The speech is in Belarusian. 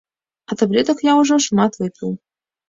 А таблетак я ужо шмат выпіў.